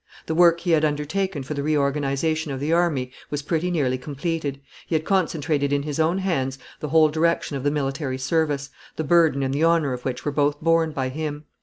The work he had undertaken for the reorganization of the army was pretty nearly completed; he had concentrated in his own hands the whole direction of the military service, the burden and the honor of which were both borne by him.